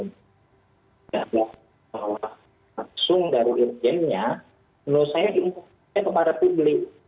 maka kalau langsung dari insidenya menurut saya diunggah kepada publik